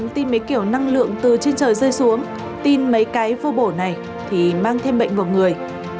trên trời rơi xuống tin mấy cái vô bổ này thì mang thêm bệnh vào người